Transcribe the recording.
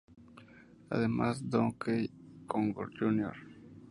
Además, Donkey Kong Jr.